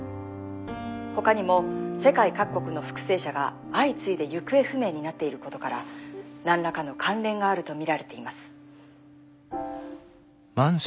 ほかにも世界各国の復生者が相次いで行方不明になっていることから何らかの関連があると見られています」。